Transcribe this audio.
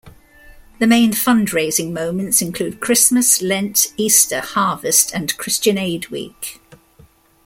The main fundraising moments include Christmas, Lent, Easter, Harvest, and Christian Aid Week.